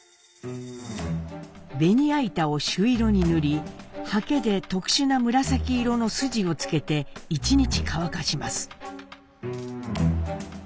ベニヤ板を朱色に塗りはけで特殊な紫色の筋を付けて一日乾かします。